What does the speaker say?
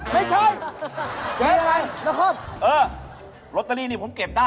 ไม่ใช่เจ๊อะไรนครเออลอตเตอรี่นี่ผมเก็บได้